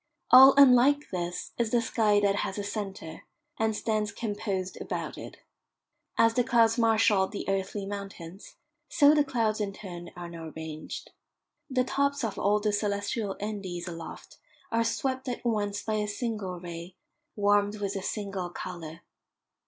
All unlike this is the sky that has a centre, and stands composed about it. As the clouds marshalled the earthly mountains, so the clouds in turn are now ranged. The tops of all the celestial Andes aloft are swept at once by a single ray, warmed with a single colour.